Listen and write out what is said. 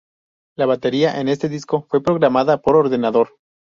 La batería en este disco fue programada por ordenador.